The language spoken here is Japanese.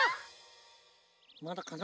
まだかな？